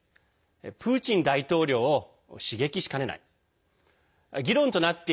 プーチン大統領を刺激しかねない。